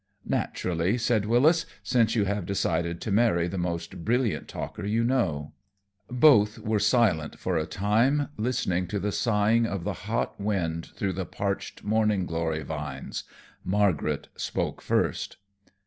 "Naturally," said Wyllis, "since you have decided to marry the most brilliant talker you know." Both were silent for a time, listening to the sighing of the hot wind through the parched morning glory vines. Margaret spoke first.